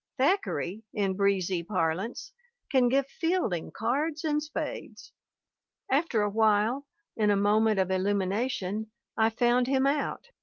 Thack eray, in breezy parlance, can give Fielding cards and spades. After a while, in a moment of illumination, I found him out.